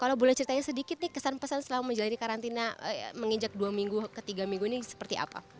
kalau boleh ceritain sedikit nih kesan pesan selama menjalani karantina menginjak dua minggu ke tiga minggu ini seperti apa